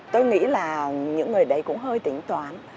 tôi nghĩ là những người đấy cũng hơi tỉnh tưởng